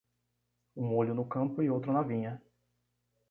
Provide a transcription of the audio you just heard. Um olho no campo e outro na vinha.